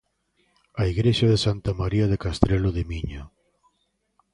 A igrexa de Santa María de Castrelo de Miño.